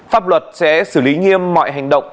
pháp luật sẽ xử lý nghiêm mọi hành động